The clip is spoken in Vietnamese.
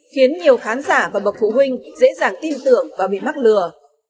khiến nhiều khán giả và bậc phụ huynh dễ dàng tin tưởng và bị mắc lừa